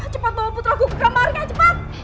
cepat tolong putraku ke kamarnya cepat